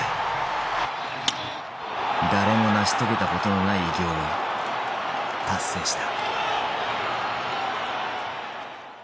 誰も成し遂げたことのない偉業を達成した。